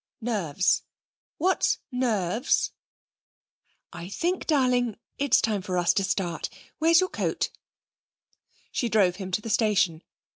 'Nerves! What's nerves?' 'I think, darling, it's time for us to start. Where's your coat?' She drove him to the station.